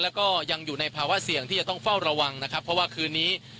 แล้วก็ยังอยู่ในภาวะเสี่ยงที่จะต้องเฝ้าระวังนะครับเพราะว่าคืนนี้